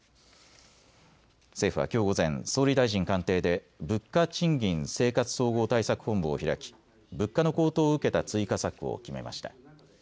政府はきょう午前、総理大臣官邸で物価・賃金・生活総合対策本部を開き物価の高騰を受けた追加策を決めました。